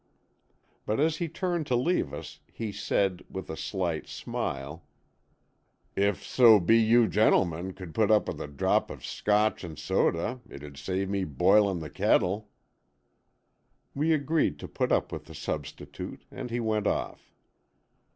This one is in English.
But as he turned to leave us, he said, with a slight smile: "If so be you gentlemen could put up with a drop of Scotch and soda, it'd save me boilin' the kettle." We agreed to put up with the substitute, and he went off.